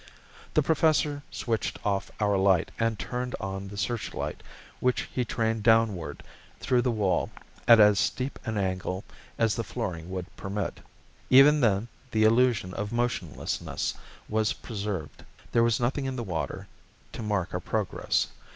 The Professor switched off our light and turned on the searchlight which he trained downward through the wall at as steep an angle as the flooring would permit. Even then the illusion of motionlessness was preserved. There was nothing in the water to mark our progress.